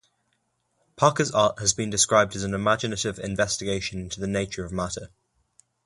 Parker's art has been described as an imaginative investigation into the nature of matter.